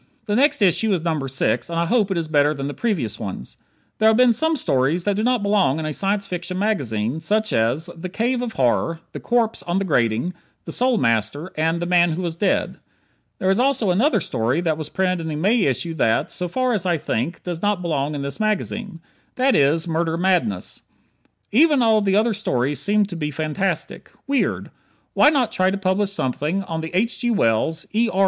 The next issue is number six, and I hope it is better than the previous ones. There have been some stories that do not belong in a Science Fiction magazine, such as: "The Cave of Horror," "The Corpse on the Grating," "The Soul Master," and "The Man who was Dead." There is also another story that was printed in the May issue that, so far as I think, does not belong in this magazine: that is, "Murder Madness." Even all the other stories seem to be fantastic. Weird. Why not try to publish something on the H. G. Wells, E. R.